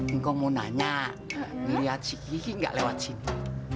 engkong mau nanya liat si kiki enggak lewat sini